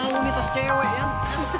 wah malu nih tas cewek yang